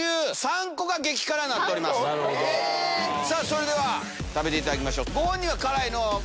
それでは食べていただきましょう。